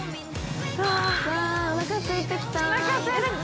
◆うわおなかすいてきた。